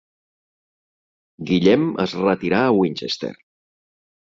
Guillem es retirà a Winchester.